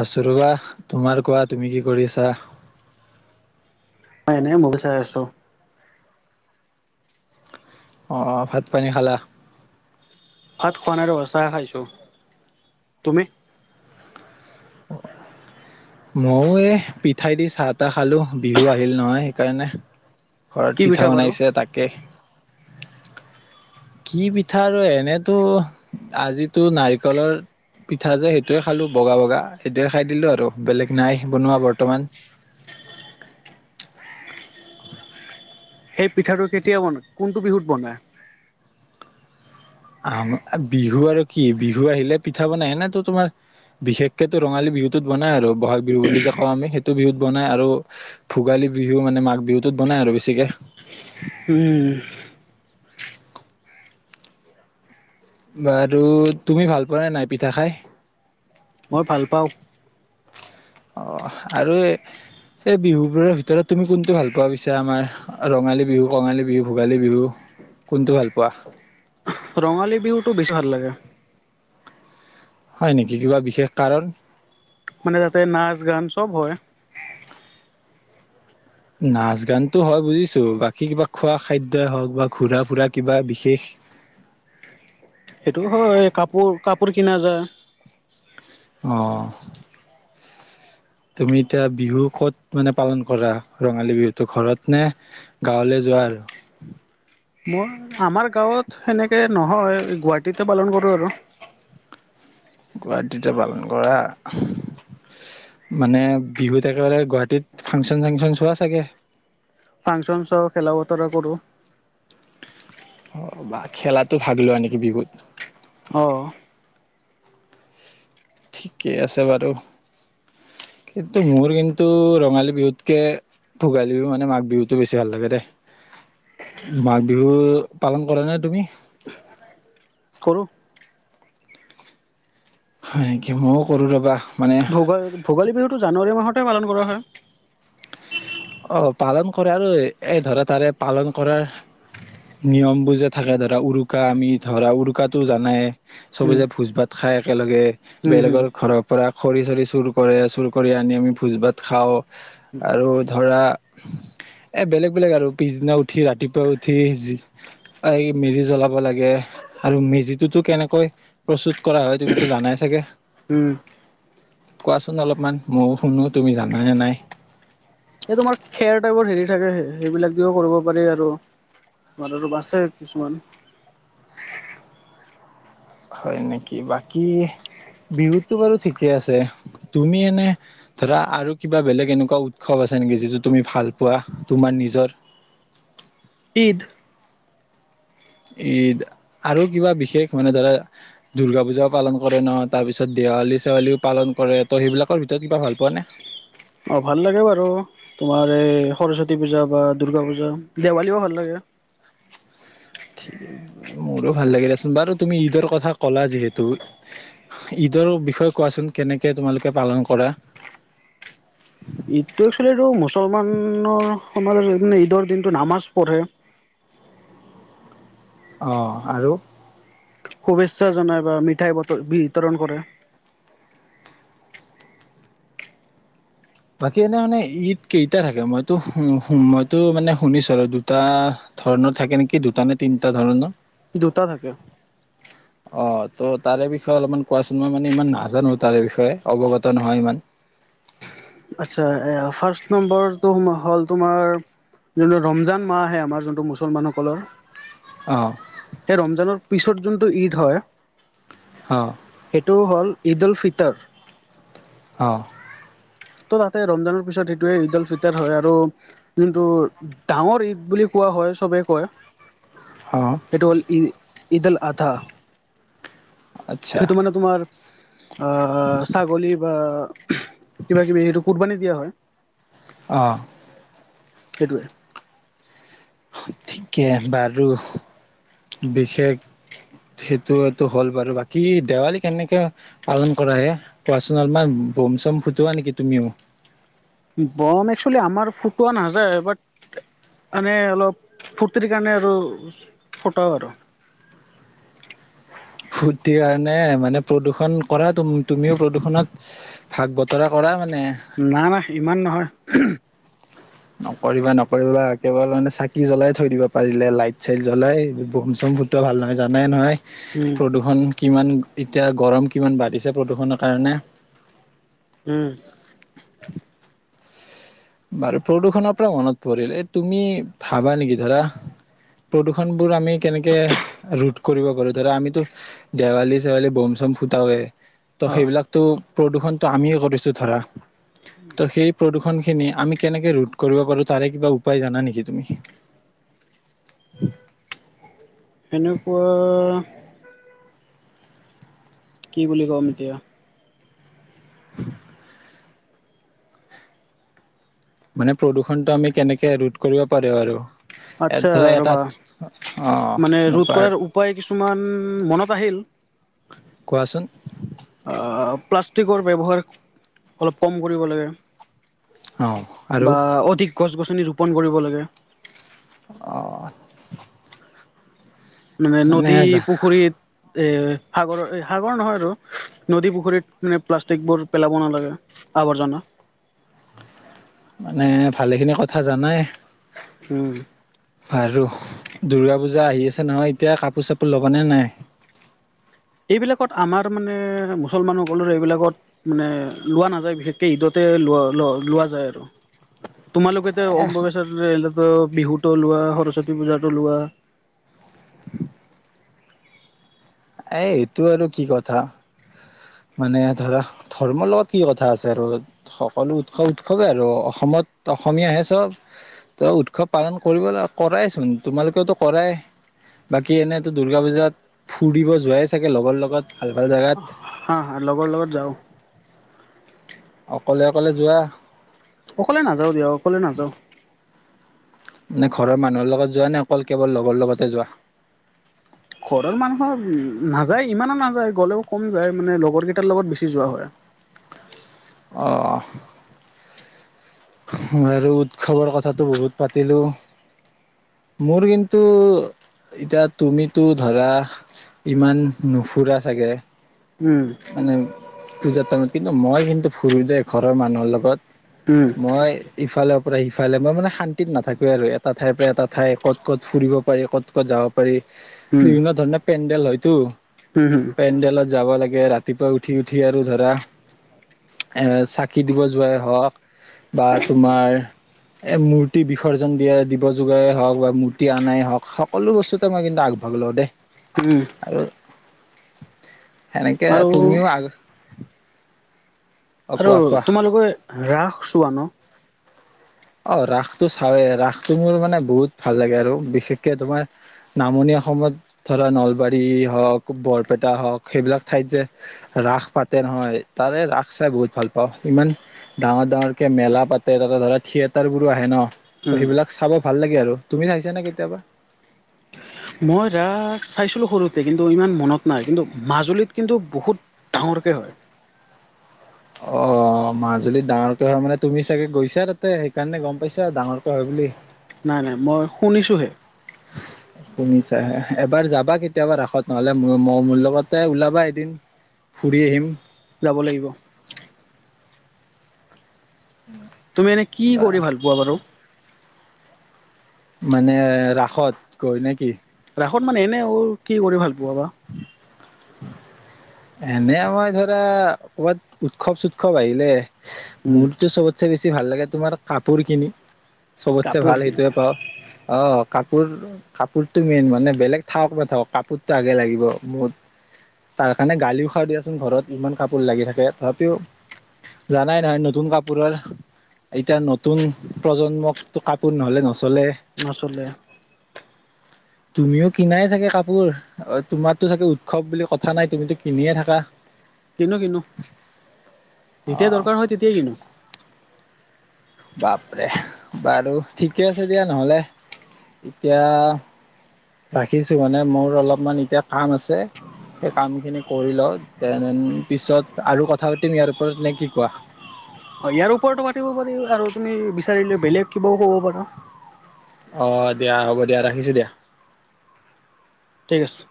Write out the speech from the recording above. আছোঁ ৰবা। তোমাৰ কোৱা তুমি কি কৰিছা? মই এনে মুভি চাই আছোঁ। অ'! ভাত পানী খালা? ভাত খোৱা নাই আৰু চাহ খাইছোঁ। তুমি? মইয়ো এ, পিঠাই দি চাহ তাহ খালোঁ। বিহু আহিল নহয় সেইকাৰণে। ঘৰত কি পিঠা বাৰু বনাইছে তাকে। কি পিঠা আৰু এনেতো আজিতো নাৰিকলৰ পিঠা যে, সেইটোয়ে খালোঁ। বগা, বগা সেইটোয়ে খায় দিলো আৰু। বেলেগ নাই বনোৱা বৰ্তমান। সেই পিঠাটো কেতিয়া বনাই? কোনটো বিহুত বনাই? অ'! বিহু আৰু কি, বিহু আহিলে, পিঠা বনাই ন'। সেইটো তোমাৰ বিশেষকে ৰঙালী বিহুটোত বনাই আৰু। বহাগ বিহু বুলি যে কওঁ আমি সে বিহুত বনাই আৰু ভোগালী বিহু মানে, মাঘ বিহুটোত বনাই আৰু বেছিকে। উম! বাৰু তুমি ভাল পোৱাই নাই পিঠা খায়? মই ভাল পাওঁ! অ'! আৰু এই বিহুবোৰৰ ভিতৰত তুমি কোনটো ভাল পোৱা পিছে আমাৰ ৰঙালী বিহু, কঙালী বিহু, ভোগালী বিহু কোনটো ভাল পোৱা? ৰঙালী বিহুটো বেছি ভাল লাগে! হয় নেকি? কিবা বিশেষ কাৰণ? মানে, তাতে নাচ- গান চব হয়। নাচ গানতো হয় বুজিছোঁ। বাকী কিবা খোৱা খাদ্যই হওঁক বা ঘুৰা ফুৰা কিবা বিশেষ? সেইটো হয়। কাপোৰ কাপোৰ কিনা যায়। অ'! তুমি এতিয়া বিহু ক'ত মানে, পালন কৰা। ৰঙালী বিহুটো ঘৰত নে গাঁৱলৈ যোৱা আৰু? মই আমাৰ গাঁৱত সেনেকে নহয়। গুৱাহাটীতে পালন কৰোঁ আৰু। গুৱাহাটীতে পালন কৰা! মানে, বিহুত একেবাৰে গুৱাহাটীত ফাংচন চাংচন চোৱা চাগে। ফাংচন শ্ব' খেলা বতৰা কৰোঁ। অ'! বা! খেলাটো ভাগ লোৱা নেকি বিহুত? অ'! ঠিকেই আছে বাৰু। কিন্তু, মোৰ কিন্তু, ৰঙালী বিহুতকে, ভোগালী বিহু মানে, মাঘ বিহুতো বেছি ভাল লাগে দেই। মাঘ বিহু পালন কৰা নে তুমি? কৰোঁ। হয় নেকি? মইয়ো কৰোঁ ৰ'বা। মানে ভোগালী, ভোগালী বিহুটো জানুৱাৰী মাহত পালন কৰা হয়। অহ, পালন কৰা আৰু এই ধৰা তাৰে পালন কৰাৰ নিয়মবোৰ যে থাকে ধৰা উৰুকা আমি ধৰা উৰুকাটো জানাই চব উম যে ভোজ ভাত খাই একেলগে উম উম বেলেগৰ ঘৰৰ পৰা খৰি চৰি চুৰ কৰে চুৰ কৰি আনি আমি ভোজ ভাত খাও। উম, এ বেলেগ-বেলেগ আৰু পিছদিনা উঠি ৰাতিপুৱা উঠি যি এই মেজি জ্বলাব লাগে আৰু মেজিটোতো কেনেকৈ প্ৰস্তুত কৰা হয় তুমিতো জানাই চাগে। উম কোৱাচোন অলপমান ময়ো শুনো তুমি জানা নে নাই। এই তোমাৰ খেৰ টাইপৰ হেৰি থাকে সেইবিলাক দিও কৰব পাৰি আৰু তোমাৰ আৰু বাছে কিছুমান। হয় নেকি বাকী বিহুতটো বাৰু ঠিকে আছে তুমি এনে ধৰা আৰু কিবা বেলেগ এনেকুৱা উৎসৱ আছে নেকি যিটো তুমি ভাল পোৱা তোমাৰ নিজৰ? ঈদ। ইদ আৰু কিবা বিশেষ মানে ধৰা দুৰ্গা পূজাও পালন কৰে ন' তাৰ পিছত দেৱালী চেৱালীও পালন কৰে ত' সেইবিলাকৰ ভিতৰত কিবা ভাল পোৱা নে? অহ, ভাল লাগে বাৰু তোমাৰ এই সৰস্বতী পূজা বা দূৰ্গা পূজা দেৱালীও ভাল লাগে। ঠিক আছে [unintelligible] মোৰো ভাল লাগে দিয়াচোন বাৰু তুমি ঈদৰ কথা কলা যিহেতু ঈদৰ বিষয়ে কোৱাচোন কেনেকে তোমালোকে পালন কৰা। ঈদটো একচুলি এইটো মুছলমানৰ [unintelligible] ঈদৰ দিনটো নামাজ পঢ়ে। অহ, আৰু শুভেচ্ছা জনাই বা মিঠাই বতৰ বিতৰণ কৰে। বাকী এনে মানে ঈদ কেইটা থাকে মইতো- -মইতো মানে শুনিছো আৰু দুটা ধৰণৰ থাকে নেকি দুটা নে তিনটা ধৰণৰ দুটা থাকে। অহ, ত' তাৰে বিষয়ে অলপমান কোৱাচোন মই মানে ইমান নাজানো তাৰে বিষয়ে অৱগত নহয় ইমান। আচ্ছা এ ফাৰ্ষ্ট নম্বৰটো হ'ল তোমাৰ যোনটো ৰমজান মাহ আহে আমাৰ যোনটো মুছলমানসকলৰ। অহ, সেই ৰমজানৰ পিছত যোনটো ঈদ হয়। অ সেইটো হ'ল ঈদুলফিতাৰ। অহ, ত' তাতে ৰমজানৰ পিছত সেইটোৱে ঈদুলফিতাৰ হয় আৰু যোনটো ডাঙৰ ঈদ বুলি কোৱা হয় চবেই কয় অ সেইটো হ'ল ই ঈদ উলআদহা। আচ্ছা সেইটো মানে তোমাৰ অহ, ছাগলী বা কিবা কিবি এইটো কুৰ্বানি দিয়া হয়। অহ, সেইটোৱে। [unintelligible] কে বাৰু। বিশেষ সেটোৱেতো হ'ল বাৰু বাকী দেৱালী কেনেকে পালন কৰা হে কোৱাচোন অলপমান বম চম ফুটোৱা নেকি তুমিও? বম একচুৱেলি আমাৰ ফটোৱা নাযায় বট এনে অলপ ফুৰ্তিৰ কাৰণে আৰু ফুটাও আৰু। ফূৰ্তি কাৰণে মানে প্ৰদূষণ কৰাত তুম -তুমিও প্ৰদূষণত ভাগ বতৰা কৰা মানে। না- না ইমান নহয় [unintelligible] নকৰিবা নকৰিবা, কেৱল মানে চাকি জ্বলাই থৈ দিব পাৰিলে লাইট চাইট জ্বলাই বোম চোম ফুটোৱা ভাল নহয় জানাই নহয়। উম প্ৰদূষণ কিমান, এতিয়া গৰম কিমান বাঢ়িছে প্ৰদূষণৰ কাৰণে। উম বাৰু প্ৰদূষণৰ পৰা মনত পৰিল এই তুমি ভাবা নেকি ধৰা, প্ৰদূৰণ বোৰ আমি কেনেকে ৰোধ কৰিব কৰো ধৰা আমিতো, দেৱালী চেৱালি বোম চোম ফুটাৱে। ত অ সেইবিলাকতো প্ৰদূষণটো আমিয়ে কৰিছো ধৰা। ত সেই প্ৰদূষ খিনি আমি কেনেকে ৰোধ কৰিব পাৰো তাৰে কিবা উপায় জানা নেকি তুমি? এনেকুৱা কি বুলি কম এতিয়া। মানে প্ৰদূষণটো আমি কেনেকে ৰোধ কৰিব পাৰো আৰু। আচ্ছা ধৰা এটা ৰবা, অ মানে ৰোধ এনেকুৱা আৰু কৰাৰ উপায় কিছুমান মনত আহিল। কোৱাচোন? প্লাষ্টিকৰ ব্যৱহাৰ অলপ কম কৰিব লাগে অ আৰু বা অধিক গছ গছনি ৰোপণ কৰিব লাগে। অ। মানে নদী পুখুৰীত এ সাগৰৰ, সাগৰ নহয় আৰু নদী, পুখুৰীত মানে প্লাষ্টিকবোৰ পেলাব নালাগে, আৱৰ্জনা মানে ভালেখিনি কথা জানাই। উম। বাৰু দুৰ্গা পূজা আহি আছে নহয় এতিয়া কাপোৰ চাপোৰ ল'ব নে নাই? এইবিলাকত আমাৰ মানে মুছলমানসকলৰ এইবিলাকত মানে লোৱা নাযায় বিশেষকৈ ঈদতে লোৱা লোৱা যায় আৰু। তোমালোকেতে অমেশ্বৰ বিহুটো লোৱা, সৰস্বতী পূজাটো লোৱা এ সেইটো আৰু কি কথা, মানে ধৰা ধৰ্মৰ লগত কি কথা আছে আৰু সকলো উৎসৱ উৎসৱে আৰু অসমত অসমীয়াহে চব ত উৎসৱ পালন কৰিবলৈ কৰাইচোন তোমালোকেওতো কৰাই, বাকী এনেইতো দুৰ্গা পূজাত ফুৰিব যোৱাই চাগে লগৰ লগত। ভাল ভাল জেগাত হা হা লগৰ লগত যাও। অকলে অকলে যোৱা? অকলে নাযাও দিয়, অকলে নাযাও। নে ঘৰৰ মানুহৰ লগত যোৱা নে অকল কেৱল লগৰ লগতে যোৱা? ঘৰৰ মানুহৰ নাযায় ইমানো নাযায় গলেও কম যায় মানে লগৰ কেইটাৰ লগত বেছি যোৱা হয়। অঁ। আৰু উৎসৱৰ কথাটো বহুত পাতিলো মোৰ কিন্তু, এতিয়া তুমিতো ধৰা ইমান নুফুৰা চাগে উম মানে পূজাৰ টাইমত, কিন্তু মই কিন্তু ফুুৰোতে ঘৰৰ মানুহৰ লগত উম মই ইফালে পূ সিফালে মই মানে শান্তিত নাথাকোৱেই আৰু এটাঠৰ পৰা এটা ঠাই ক'ত ক'ত ফুৰিব পাৰি ক'ত ক'ত যাব পাৰি উম বিভিন্ন ধৰণে পেণ্ ল হয়তো, উম হম পেণ্ডেলত যাব লাগে। ৰাতিপুৱা উঠি-উঠি আৰু ধৰা এ চাকি দিব যোৱাই হওঁক বা তোমাৰ এ মূৰ্তি বিসৰ্জন দিয়া দিব যোগাই হওক বা মূৰ্তি আনাই হওক, সকলো বস্তুতে মই কিন্তু আগভাগ লওঁ দেই। উম। আৰু [inaudible] সেনেকে আৰু তুমিও আগ অ আৰু কোৱা কোৱা তোমালোকে ৰাস চোৱা ন। অ' ৰাসটো চাওৱে ৰাসটো মোৰ মানে বহুত ভাল লাগে আৰু বিশেষকে তোমাৰ নামনি অসমত ধৰা নলবাৰী হওক, বৰপেটা হওক, সেইবিলাক ঠাইত যে ৰাস পাতে নহয়। তাৰে ৰাস চাই বহুত ভাল পাওঁ ইমান ডাঙৰ-ডাঙৰকে মেলা পাতে তাতে ধৰা থিয়ে তাৰবোৰো আহে ন। ত উম সেইবিলাক চাব ভাল লাগে আৰু তুমি চাইছা নে কেতিয়াবা। মই ৰাস চাইছিলোঁ, সৰুতে কিন্তু ইমান মনত নাই কিন্তু মাজুলীত কিন্তু বহুত ডাঙৰকৈ হয়। অ' মাজুলীত ডাঙৰকে হয় মানে তুমি চাগে গৈছা তাতে সেইকাৰণে গম পাইছা ডাঙৰকে হয় বুলি। নাই-নাই মই শুনিছোহে। শুনিছাে এবাৰ যাবা কেতিয়াবা ৰাসত নহলে ম-ম, মোৰ লগতে ওলাবা এদিন ফুৰি আহিম। যাব লাগিব। তুমি এনে কি কৰি ভাল পোৱা বাৰু? মানে ৰাসত গৈ নেকি? এখত মানে এনে অ কি কৰি ভাল পোৱা বা? এনে মই ধৰা কৱাত উৎসৱ-চৎসৱ আহিলে মোৰটো চবতচে বেছি বেছি ভাল লাগে তোমাৰ কাপোৰ কিনি চবতছে কাপোৰ ভাল কিনে সেইটয়ে পাওঁ। অহ, কাপোৰ-কাপোৰটো মেইন মানে বেলেগ থাকক, -নাথাকক কাপোৰতটো আগে লাগিব মোক। তাৰ কাৰণে গালিও খাও দিয়াচোন ঘৰত ইমান কাপোৰ লাগি থাকে তথাপিও জানাই নহয় নতুন কাপোৰৰ এতিয়া নতুন প্ৰজন্মক কাপোৰ নহচলে। নচলে। তুমিও কিনাই চাগে কাপোৰ অ' তোমাতটো চাগে উৎসৱ বুলি কথা নাই তুমিতো কিনিয়ে থাকা। কিনো-কিনো যেতিয়া অ' দৰকাৰ হয় তেতিয়াই কিনো। বাপৰে বাৰু ঠিকে আছে দিয়া নহলে এতিয়া ৰাখিছো মানে মোৰ অলপমান এতিয়া কাম আছে সেই কাম খিনি কৰি লওঁ দেন পিছত আৰু কথা পাতিম ইয়াৰ ওপৰত নে কি কোৱা। ইয়াৰ ওপৰতো পাতিব পাৰি আৰু তুমি বিচাৰিলে বেলেগ কিবাও কব পাৰা। অহ দিয়া হ'ব দিয়া ৰাখিছো দিয়া। ঠিক আছে।